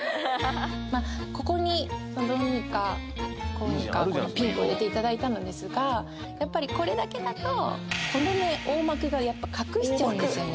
まぁここにどうにかこうにかこのピンクを入れていただいたのですがやっぱりこれだけだとこのね大幕がやっぱ隠しちゃうんですよね